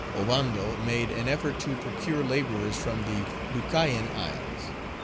Ovando made an effort to procure laborers from the Leucayan Isles.